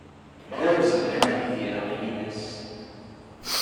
D awezɣi ad idireɣ yid-s